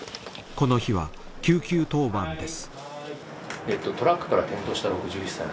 この日は救急当番です。